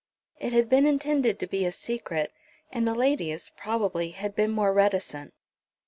It had been intended to be a secret, and the ladies, probably, had been more reticent.